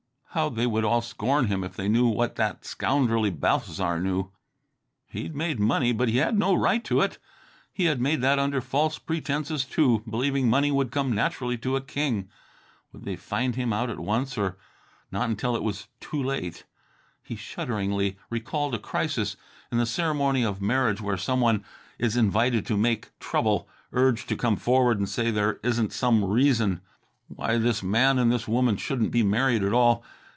How they would all scorn him if they knew what that scoundrelly Balthasar knew. He'd made money, but he had no right to it. He had made that under false pretenses, too, believing money would come naturally to a king. Would they find him out at once, or not until it was too late? He shudderingly recalled a crisis in the ceremony of marriage where some one is invited to make trouble, urged to come forward and say if there isn't some reason why this man and this woman shouldn't be married at all.